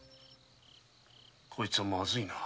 こいつはまずいな。